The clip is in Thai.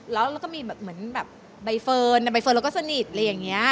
แล้วเราก็มีแบบใบเฟิร์นใบเฟิร์นเราก็สนิทอะไรอย่างนี้